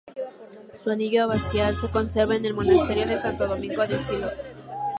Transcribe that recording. Su anillo abacial se conserva en el monasterio de Santo Domingo de Silos.